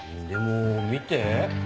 でも見て。